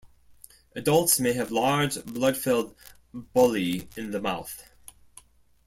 Adults may have large, blood-filled bullae in the mouth.